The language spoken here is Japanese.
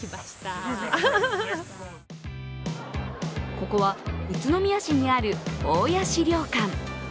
ここは宇都宮市にある大谷資料館。